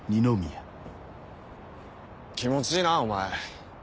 気持ちいいなお前。